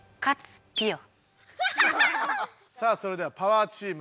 さあそれではパワーチーム。